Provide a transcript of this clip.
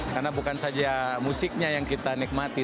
karena bukan saja musiknya yang kita nikmati